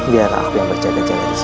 biar aku yang berjaga jaga disini